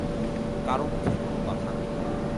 কারো মুখে কোনো কথা নেই।